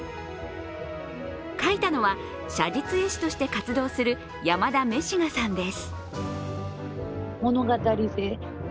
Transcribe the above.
描いたのは写実絵師として活動する山田めしがさんです。